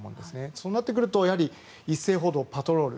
そうなってくると一斉補導、パトロール